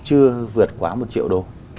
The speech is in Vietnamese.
chưa vượt quá một triệu đô